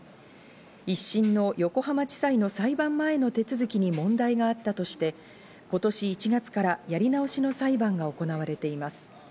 一審の横浜地裁の裁判前の手続きに問題があったとして、今年１月からやり直しの裁判が行われています。